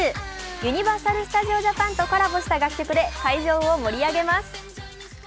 ユニバーサル・スタジオ・ジャパンとコラボした楽曲で会場を盛り上げます。